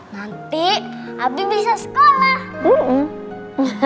nanti abi bisa sekolah